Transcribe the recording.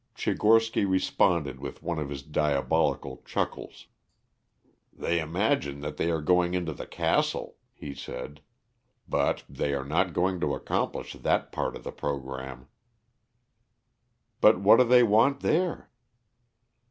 Tchigorsky responded with one of his diabolical chuckles. "They imagine that they are going into the castle," he said. "But they are not going to accomplish that part of the program." "But what do they want there?"